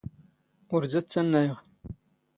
ⵓⵔ ⴷⴰ ⵜⵜⴰⵏⵏⴰⵢⵖ.